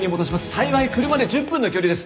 幸い車で１０分の距離です。